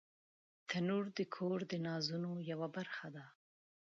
تنور د کور د نازونو یوه برخه ده